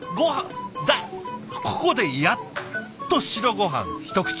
ここでやっと白ごはん一口。